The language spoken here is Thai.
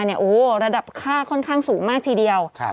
โอ้โหระดับค่าค่อนข้างสูงมากทีเดียว